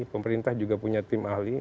pemerintah juga punya tim ahli